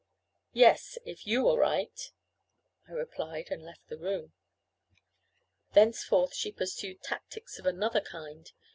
"Yes, if you are right," I replied; and left the room. Thenceforth she pursued tactics of another kind.